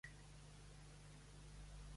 Balb va ser escollit patró de Gades.